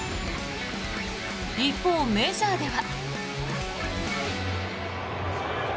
一方、メジャーでは。